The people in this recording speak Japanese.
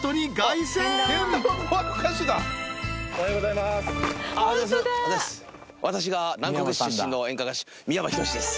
おはようございます。